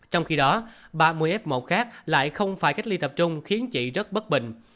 trong khi đó ba mươi f một khác lại không phải cách ly tập trung khiến chị rất bất bình